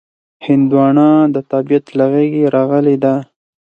هندوانه د طبیعت له غېږې راغلې ده.